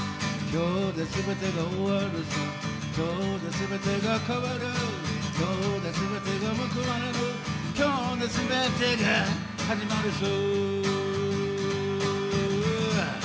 「今日ですべてが終るさ今日ですべてが変わる」「今日ですべてがむくわれる今日ですべてが始まるさ」